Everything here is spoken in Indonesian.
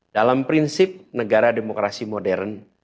dalam prinsip negara demokrasi modern